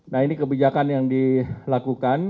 nah ini kebijakan yang dilakukan